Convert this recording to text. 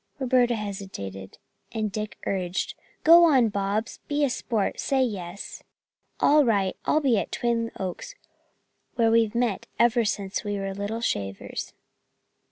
Roberta hesitated, and Dick urged: "Go on, Bob! Be a sport. Say yes." "All right. I'll be at the Twin Oaks, where we've met ever since we were little shavers."